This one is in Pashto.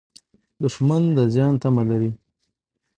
دښمن د زیان تمه لري